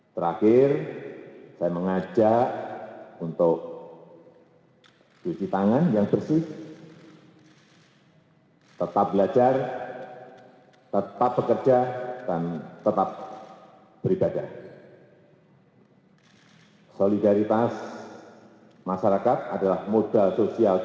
terakhir saya mengajak pemerintah dan pemerintah di negara lainnya untuk berkomunikasi dengan covid sembilan belas